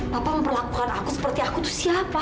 papa mau perlakukan aku seperti aku tuh siapa